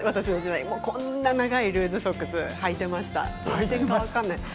長いルーズソックスをはいていました。